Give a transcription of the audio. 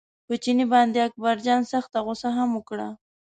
په چیني باندې اکبرجان سخته غوسه هم وکړه.